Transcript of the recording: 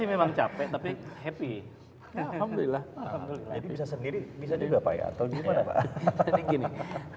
memang capek tapi happy alhamdulillah bisa sendiri bisa juga pak ya atau gimana pak